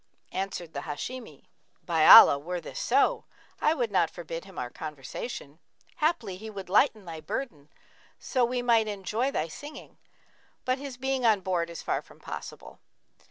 Answered the Hashimi, 'By Allah, were this so, I would not forbid him our conversation! Haply he would lighten thy burthen, so we might enjoy thy singing: but his being on board is far from possible.'